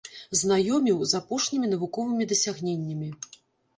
Знаёміў з апошнімі навуковымі дасягненнямі.